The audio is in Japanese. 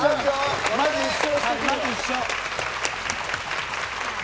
まず１勝！